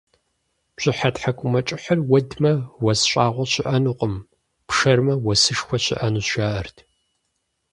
Бжьыхьэ тхьэкӀумэкӀыхьыр уэдмэ, уэс щӀагъуэ щыӀэнукъым, пшэрмэ, уэсышхуэ щыӀэнущ, жаӀэрт.